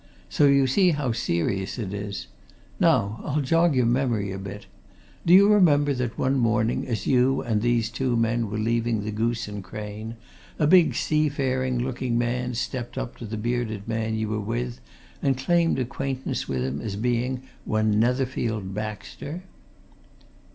So you see how serious it is! Now, I'll jog your memory a bit. Do you remember that one morning, as you and these two men were leaving the Goose and Crane, a big seafaring looking man stepped up to the bearded man you were with and claimed acquaintance with him as being one Netherfield Baxter?"